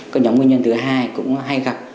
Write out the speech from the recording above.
cái nhóm nguyên nhân thứ hai cũng hay gặp